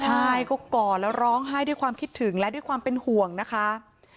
ใช่ก็กอดแล้วร้องไห้ด้วยความคิดถึงและด้วยความเป็นห่วงนะคะ